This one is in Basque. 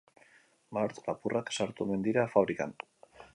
Bart, lapurrak sartu omen dira fabrikan.